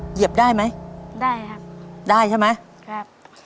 เหยียบได้ไหมได้ครับได้ใช่ไหมครับ